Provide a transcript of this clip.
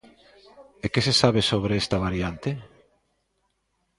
E que se sabe sobre esta variante?